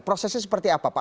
prosesnya seperti apa pak